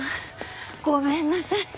ごめんなさい。